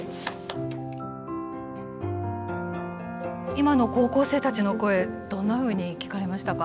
今の高校生たちの声どんなふうに聞かれましたか？